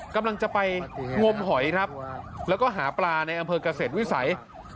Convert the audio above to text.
กำลังจะไปงมหอยครับแล้วก็หาปลาในอำเภอกเกษตรวิสัย